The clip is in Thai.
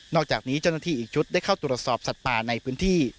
อกจากนี้เจ้าหน้าที่อีกชุดได้เข้าตรวจสอบสัตว์ป่าในพื้นที่